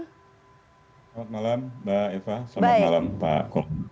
selamat malam mbak eva selamat malam pak